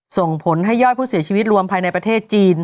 ส่งผลให้ยอดผู้เสียชีวิตรวมภายในประเทศจีน